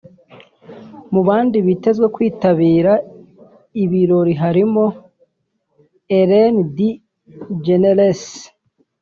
Mu bandi bitezwe kwitabira ibirori harimo Ellen DeGeneres